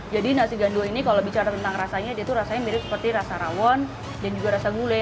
jadi nasi gandul ini kalau bicara tentang rasanya rasanya mirip seperti rasa rawon dan juga rasa gulai